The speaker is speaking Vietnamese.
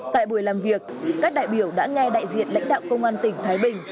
tại buổi làm việc các đại biểu đã nghe đại diện lãnh đạo công an tỉnh thái bình